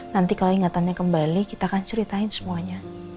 nanti kalo ingatannya kembali kita kan ceritain semuanya